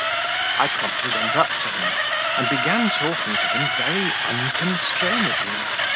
I promptly went up to him, and began talking to him very unconstrainedly.